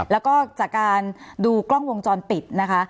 แล้วก็จากการดูกล้องวงจรปิดนะคะ